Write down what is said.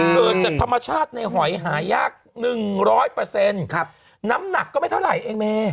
เกิดจากธรรมชาติในหอยหายากหนึ่งร้อยเปอร์เซ็นต์ครับน้ำหนักก็ไม่เท่าไหร่เองเม